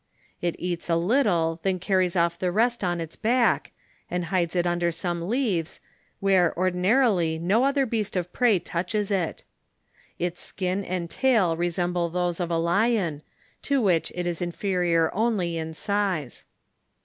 It eats a little, then carries off the rest on its back, and hides it under some leaves, where ordinarily no other beast of prey touches it. Its skin and tail resemble those of a lion, to which it is inferior only in size.